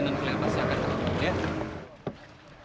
nanti kalian pasti akan tahu